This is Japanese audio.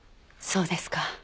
そうですか。